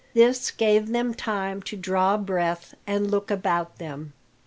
This gave them time to draw breath, and look about them.